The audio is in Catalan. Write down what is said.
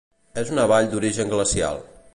És una vall d'origen glacial.